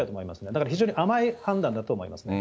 だから非常に甘い判断だと思いますね。